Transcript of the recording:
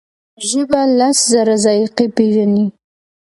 ژبه لس زره ذایقې پېژني.